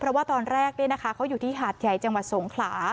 เพราะว่าตอนแรกเขาอยู่ที่หาดใหญ่จังหวัดสงขลา